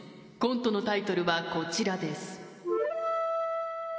コントのタイトルはこちらです。